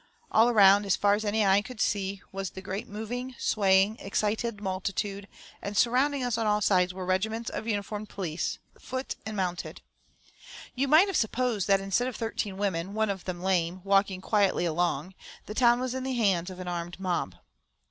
All around, as far as eye could see, was the great moving, swaying, excited multitude, and surrounding us on all sides were regiments of uniformed police, foot and mounted. You might have supposed that instead of thirteen women, one of them lame, walking quietly along, the town was in the hands of an armed mob.